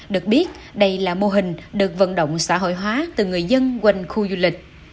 được biết đây là mô hình được vận động xã hội hóa từ người dân quanh khu du lịch